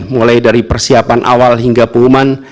mulai dari persiapan awal hingga pengumuman